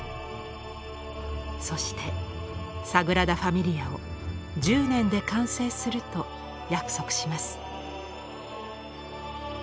そしてサグラダ・ファミリアを１０年で完成すると約束します。